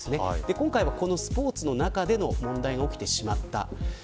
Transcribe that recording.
今回、スポーツの中で問題が起きてしまった。